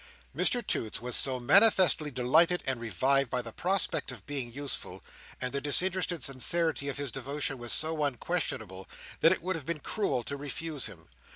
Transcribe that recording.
Mr Toots was so manifestly delighted and revived by the prospect of being useful, and the disinterested sincerity of his devotion was so unquestionable, that it would have been cruel to refuse him.